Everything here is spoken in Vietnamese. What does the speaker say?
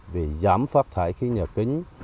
để giảm phát thải khí nhà kính